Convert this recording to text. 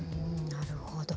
なるほど。